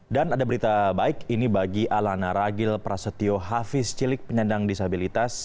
dan ada berita baik ini bagi alana ragil prasetyo hafiz cilik penyandang disabilitas